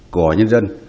của nhân dân